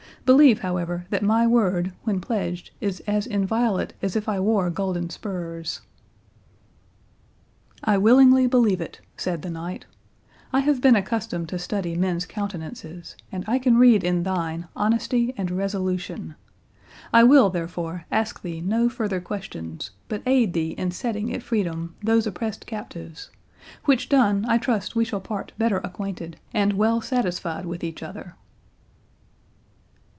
Believe, however, that my word, when pledged, is as inviolate as if I wore golden spurs." "I willingly believe it," said the knight; "I have been accustomed to study men's countenances, and I can read in thine honesty and resolution. I will, therefore, ask thee no further questions, but aid thee in setting at freedom these oppressed captives; which done, I trust we shall part better acquainted, and well satisfied with each other."